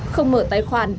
không mở tài khoản